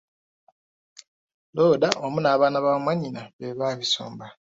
Looda wamu n'abaana ba mwanyina be baabisomba.